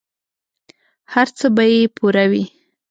هر څه به یې پوره وي.